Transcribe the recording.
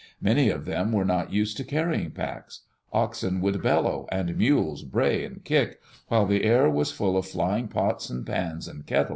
Many of them were not used to carrying packs. Oxen would bellow and mules bray and kick, while the air was full of flying pots and pans and kettles.